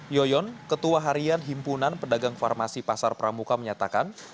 yoyon ketua harian himpunan pedagang farmasi pasar pramuka menyatakan